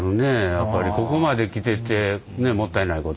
やっぱりここまで来ててもったいないことも。